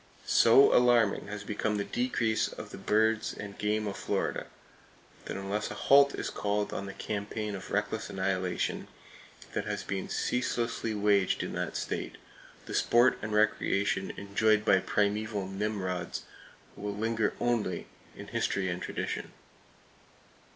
So alarming has become the decrease of the birds and game of Florida that unless a halt is called on the campaign of reckless annihilation that has been ceaselessly waged in that state, the sport and recreation enjoyed by primeval nimrods will linger only in history and tradition.